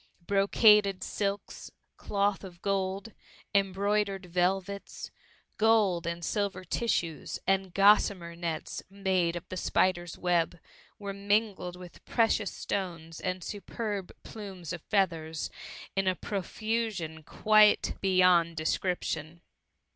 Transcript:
358 THE MUMMY. Brocaded silks, cloth of gold, embroidered velvets, gold and silver tissues, and gossamer nets made of the spider's web, were mingled with precious stones and superb plumes of feathers in a profusion quite beyond description.